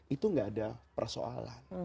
itu gak ada persoalan